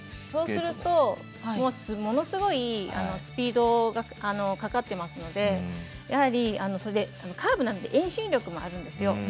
そうするとものすごいスピードがかかってますのでやはりカーブなので遠心力もあるんですよ。